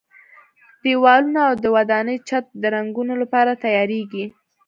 دېوالونه او د ودانۍ چت د رنګولو لپاره تیاریږي.